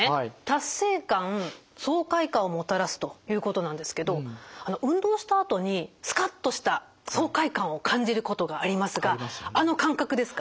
達成感爽快感をもたらすということなんですけど運動したあとにスカッとした爽快感を感じることがありますがあの感覚ですか？